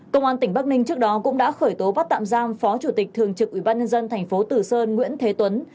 công an tỉnh bắc ninh trước đó cũng đã khởi tố bắt tạm giam phó chủ tịch thường trực ubnd thành phố từ sơn nguyễn thế tuấn